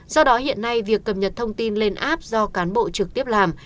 do đó hiện nay việc cập nhật thông tin lên app do cán bộ trực tiếp làm